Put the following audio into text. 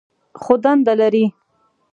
خو دنده لري.